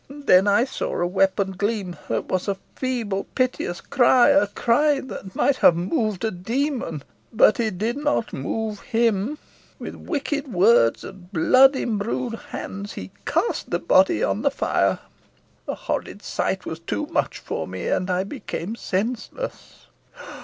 And then I saw a weapon gleam there was a feeble piteous cry a cry that might have moved a demon but it did not move him. With wicked words and blood imbrued hands he cast the body on the fire. The horrid sight was too much for me, and I became senseless."